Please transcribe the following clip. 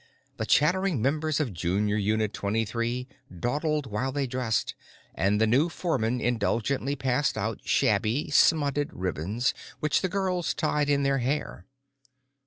The chattering members of Junior Unit Twenty Three dawdled while they dressed, and the new foreman indulgently passed out shabby, smutted ribbons which the girls tied in their hair.